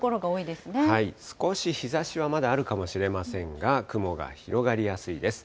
少し日ざしはまだあるかもしれませんが、雲が広がりやすいです。